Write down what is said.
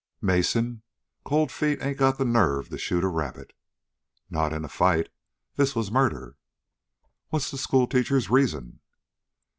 "Mason, Cold Feet ain't got the nerve to shoot a rabbit." "Not in a fight. This was a murder!" "What's the schoolteacher's reason!"